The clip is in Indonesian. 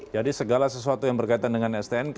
jadi segala sesuatu yang berkaitan dengan stnk